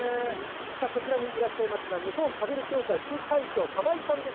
こちらにいらっしゃいますのは、日本パデル協会副会長、玉井さんです。